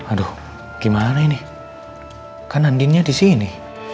aduh gimana ini kan andinnya di sini